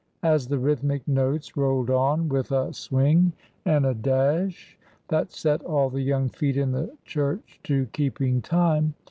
As the rhythmic notes rolled on with a swing and a dash that set all the young feet in the church to keeping time.